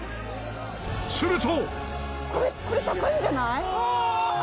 すると。